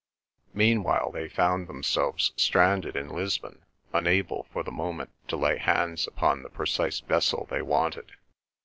Meanwhile they found themselves stranded in Lisbon, unable for the moment to lay hands upon the precise vessel they wanted.